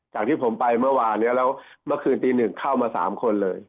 จากที่ผมไปเมื่อวานนี้แล้วเมื่อคืนตีหนึ่งเข้ามา๓คนเลย